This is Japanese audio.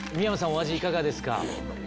お味いかがですか？